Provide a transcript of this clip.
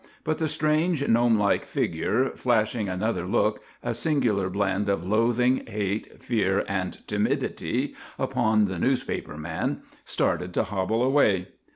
But the strange, gnomelike figure, flashing another look, a singular blend of loathing, hate, fear, and timidity, upon the newspaper man, started to hobble away.